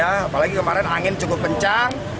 apalagi kemarin angin cukup kencang